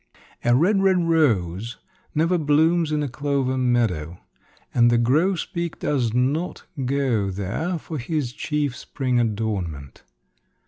A red, red rose never blooms in a clover meadow, and the grosbeak does not go there for his chief spring adornment.